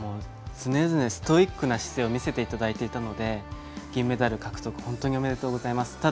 常々、ストイックな姿勢を見せていただいていたので銀メダル獲得本当におめでとうございます。